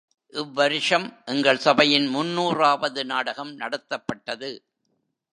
இவ்வருஷம் எங்கள் சபையின் முன்னூறாவது நாடகம் நடத்தப்பட்டது.